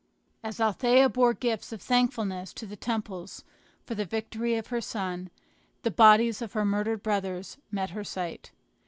As Althea bore gifts of thankfulness to the temples for the victory of her son, the bodies of her murdered brothers met her sight.